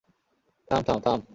থাম, থাম, থাম!